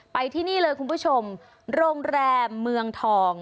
ไปที่นี่เลยคุณผู้ชมโรงแรมเมืองทอง